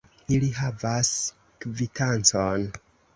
Ili havas kvitancon.